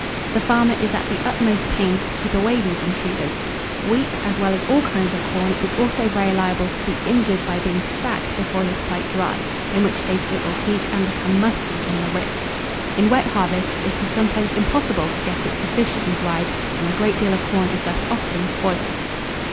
The farmer is at the utmost pains to keep away these intruders. Wheat, as well as all kinds of corn, is also very liable to be injured by being stacked before it is quite dry; in which case it will heat, and become musty in the ricks. In wet harvests it is sometimes impossible to get it sufficiently dried, and a great deal of corn is thus often spoiled.